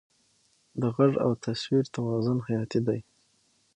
د غږ او تصویر توازن حیاتي دی.